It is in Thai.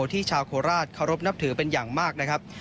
ที่ชาวโคราชขอรบนับถือเป็นอย่างมาก